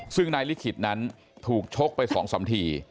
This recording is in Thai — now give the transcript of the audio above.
ซึ่งนายลิขิตนั้นถูกโชคไปสองสามที